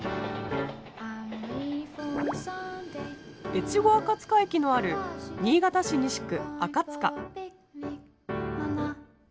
越後赤塚駅のある新潟市西区赤塚。